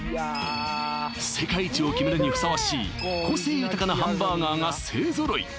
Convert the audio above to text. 世界一を決めるにふさわしい個性豊かなハンバーガーが勢ぞろい